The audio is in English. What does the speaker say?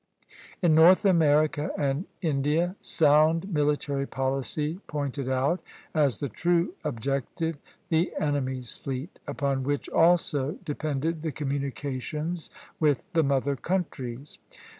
In North America and India sound military policy pointed out, as the true objective, the enemy's fleet, upon which also depended the communications with the mother countries.